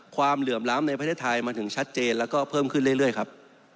เหลื่อมล้ำในประเทศไทยมันถึงชัดเจนแล้วก็เพิ่มขึ้นเรื่อยครับ